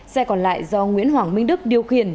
xe còn lại do nguyễn hoàng minh đức điều khiển